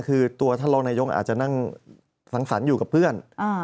คือตัวท่านรองนายกอาจจะนั่งสังสรรค์อยู่กับเพื่อน